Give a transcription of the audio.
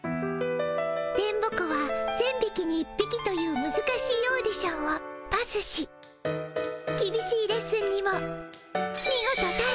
電ボ子は千びきに一ぴきというむずかしいオーディションをパスしきびしいレッスンにもみごとたえ